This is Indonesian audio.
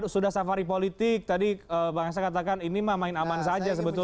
sudah safari politik tadi bang esa katakan ini mah main aman saja sebetulnya